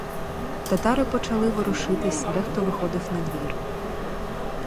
Татари почали ворушитись, дехто виходив надвір.